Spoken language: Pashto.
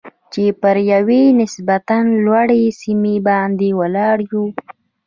چې پر یوې نسبتاً لوړې سیمې باندې ولاړ یو.